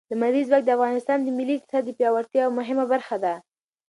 لمریز ځواک د افغانستان د ملي اقتصاد د پیاوړتیا یوه مهمه برخه ده.